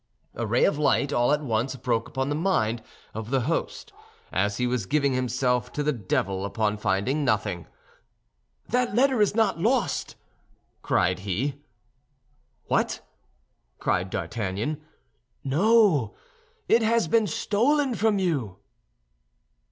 A ray of light all at once broke upon the mind of the host as he was giving himself to the devil upon finding nothing. "That letter is not lost!" cried he. "What!" cried D'Artagnan. "No, it has been stolen from you."